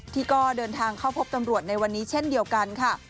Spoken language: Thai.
ที่ก็เดินทางเข้าพบตำรวจในวันนี้เช่นเดียวกันค่ะ